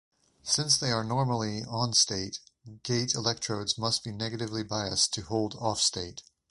Since they are normally on-state, gate electrodes must be negatively biased to hold off-state.